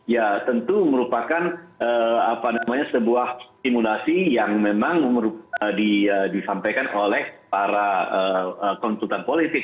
ya tentu merupakan sebuah simulasi yang memang disampaikan oleh para konsultan politik